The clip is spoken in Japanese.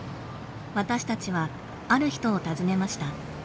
私たちはある人を訪ねました。